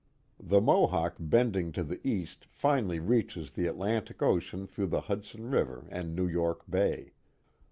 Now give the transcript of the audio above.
The Mohawk bending to the east finally reaches the Atlantic Ocean through the Hudson River and New York Bay.